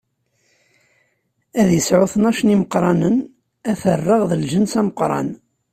Ad d-isɛu tnac n imeqranen, ad t-rreɣ d lǧens ameqran.